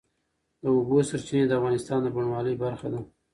د اوبو سرچینې د افغانستان د بڼوالۍ برخه ده.